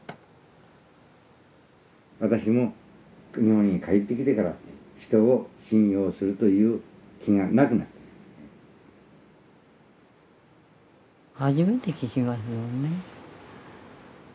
「私も日本に帰ってきてから人を信用するという気がなくなった」。